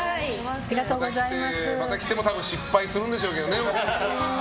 また来ても失敗するんでしょうけどね。